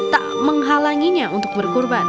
tak menghalanginya untuk berkurban